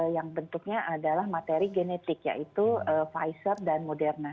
yang bentuknya adalah materi genetik yaitu pfizer dan moderna